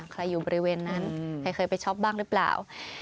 อยู่บริเวณนั้นใครเคยไปช็อปบ้างหรือเปล่า